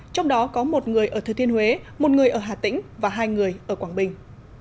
trong đó có một người ở thừa thiên huế một người ở hà tĩnh và hai người ở quảng bình